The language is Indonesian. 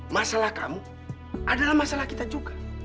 masalah kamu adalah masalah kita juga